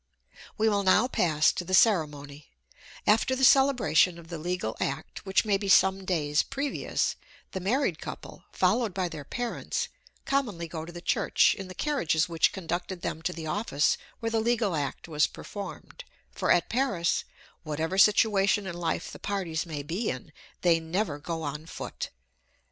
We will now pass to the ceremony: after the celebration of the legal act, which may be some days previous, the married couple, followed by their parents, commonly go to the church in the carriages which conducted them to the office where the legal act was performed; for at Paris, whatever situation in life the parties may be in, they never go on foot.